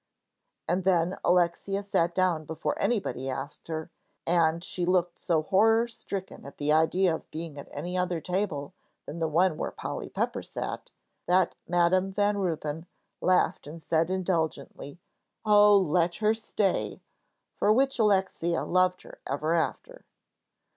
And then Alexia sat down before anybody asked her, and she looked so horror stricken at the idea of being at any other table than the one where Polly Pepper sat, that Madam Van Ruypen laughed and said indulgently, "Oh, let her stay," for which Alexia loved her ever after.